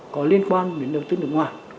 có liên quan đến đầu tư nước ngoài